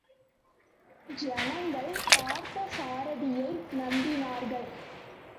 ஜனங்கள் பார்த்தசாரதியை நம்பினார்கள்.